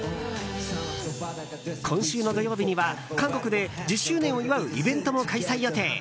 今週の土曜日には韓国で１０周年を祝うイベントも開催予定。